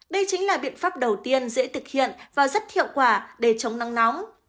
đây chính là biện pháp đầu tiên dễ thực hiện và rất hiệu quả để chống nắng nóng